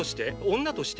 女として？